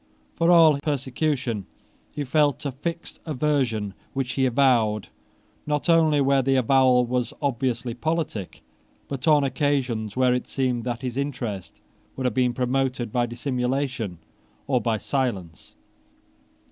For all persecution he felt a fixed aversion, which he avowed, not only where the avowal was obviously politic, but on occasions where it seemed that his interest would have been promoted by dissimulation or by silence.